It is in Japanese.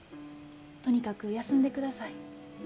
とにかく休んでください。